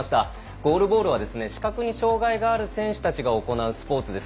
ゴールボールは視覚の障がいがある選手たちが行うスポーツです。